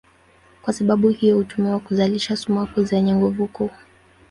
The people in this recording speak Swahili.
Kwa sababu hiyo hutumiwa kuzalisha sumaku zenye nguvu kuu.